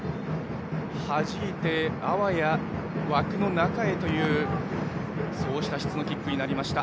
はじいてあわや枠の中へというそうした質のキックでした。